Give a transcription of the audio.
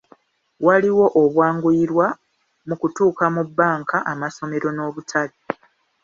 Waliwo obwanguyirwa mu kutuuka mu bbanka, amasomero n'obutale.